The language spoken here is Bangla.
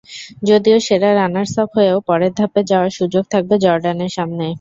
যদিও সেরা রানার্সআপ হয়েও পরের ধাপে যাওয়ার সুযোগ থাকবে জর্ডানের সামনে।